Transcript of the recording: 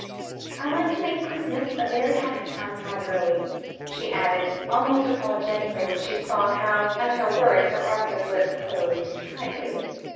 I like to make Christmas a very happy time for my girlie," she added, almost apologetically when she saw how, at her words, Sir Arthur's lips closed tightly.